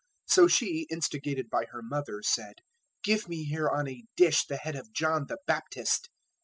014:008 So she, instigated by her mother, said, "Give me here on a dish the head of John the Baptist."